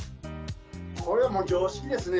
これはもう常識ですね。